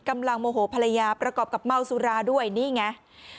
โมโหภรรยาประกอบกับเมาสุราด้วยนี่ไง